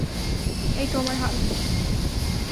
এইতো আমার হাল্ক!